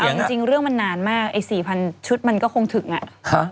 เอาจริงเรื่องมันนานมากไอ้๔๐๐ชุดมันก็คงถึงอ่ะ